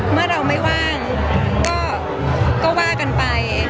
เมื่อเราไม่ว่างก็ว่ากันไป